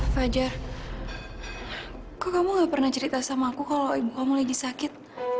fajar kok kamu gak pernah cerita sama aku kalau ibu kamu lagi sakit